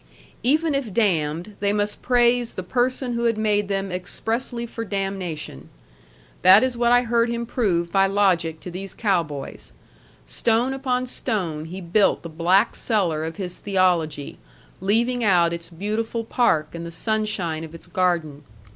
Even if damned, they must praise the person who had made them expressly for damnation. That is what I heard him prove by logic to these cow boys. Stone upon stone he built the black cellar of his theology, leaving out its beautiful park and the sunshine of its garden.